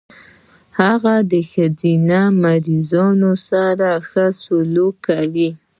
هغه د ښځينه مريضانو سره ښه سلوک کوي.